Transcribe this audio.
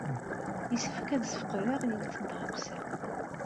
Yessefk ad sfeqdeɣ yiwet n tɣawsa.